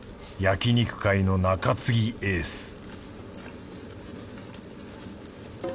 焼肉界の中継ぎエース